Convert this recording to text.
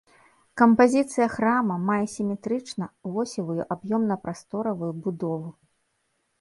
Кампазіцыя храма мае сіметрычна-восевую аб'ёмна-прасторавую будову.